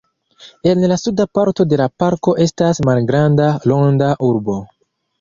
En la suda parto de la parko estas malgranda Ronda Urbo.